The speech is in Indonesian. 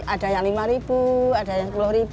ada yang rp lima ada yang rp sepuluh